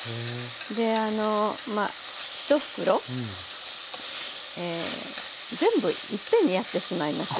であの一袋全部いっぺんにやってしまいます